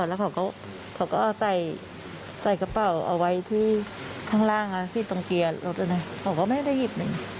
แล้วเขาก็ใส่กระเป๋าเอาไว้ที่ข้างล่างที่ตรงเกียร์รถเขาก็ไม่ได้หยิบเลย